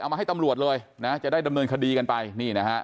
มาให้ตำรวจเลยนะจะได้ดำเนินคดีกันไปนี่นะฮะ